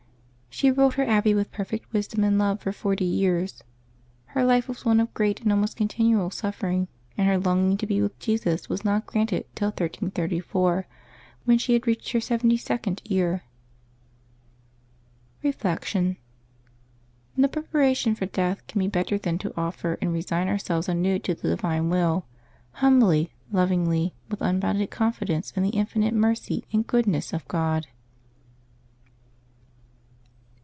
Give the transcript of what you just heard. .She ruled her abbey with perfect wisdom and love for forty years. Her life was one of great and almost continual suffering, and her longing to be with Jesus was not granted till 1334, when she had reached her seventy second year. Reflection. — ISTo preparation for death can be better than to offer and resign ourselves anew to the Divine Will — humbly, lovingly, with unbounded confidence in the infinite mercy and goodness of God.